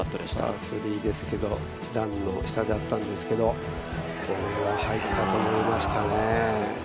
パー３ですけど、段の下だったんですけど、これは入ったと思いましたね。